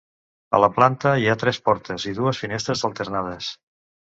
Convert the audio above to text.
A la planta hi ha tres portes i dues finestres alternades.